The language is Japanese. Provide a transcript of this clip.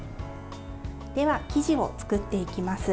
では生地を作っていきます。